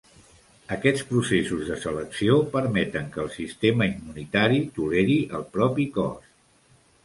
Aquests processos de selecció permeten que el sistema immunitari toleri el propi cos.